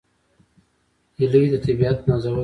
هیلۍ د طبیعت نازولې ده